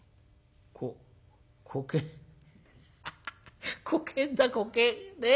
ここけハハハこけんだこけんねえ。